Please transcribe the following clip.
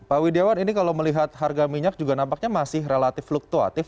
pak widjawan ini kalau melihat harga minyak juga nampaknya masih relatif fluktuatif